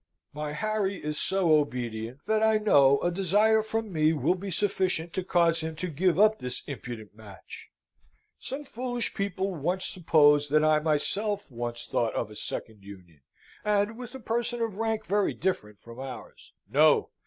My Harry is so obedient that I know a desire from me will be sufficient to cause him to give up this imprudent match. Some foolish people once supposed that I myself once thought of a second union, and with a person of rank very different from ours. No!